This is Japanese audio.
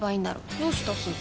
どうしたすず？